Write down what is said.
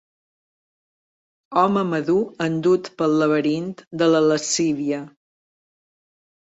Home madur endut pel laberint de la lascívia.